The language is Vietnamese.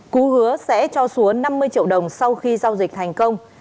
cú hứa sẽ cho xuống năm mươi triệu đồng sau khi giao dịch thành công